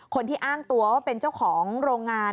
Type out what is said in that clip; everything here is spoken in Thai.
คนที่อ้างตัวว่าเป็นเจ้าของโรงงาน